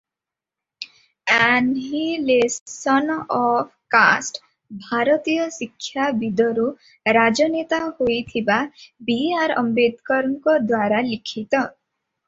Annihilation of caste ଭାରତୀୟ ଶିକ୍ଷାବିଦରୁ ରାଜନେତା ହୋଇଥିବା ବି. ଆର. ଆମ୍ବେଦକରଙ୍କଦ୍ୱାରା ଲିଖିତ ।